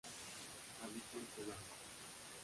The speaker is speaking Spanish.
Habita en Tobago.